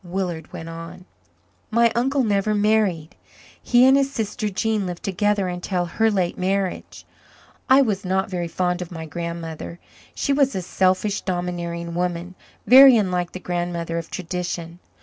Willard went on. "My uncle never married. He and his sister Jean lived together until her late marriage. I was not very fond of my grandmother. She was a selfish, domineering woman very unlike the grandmother of tradition.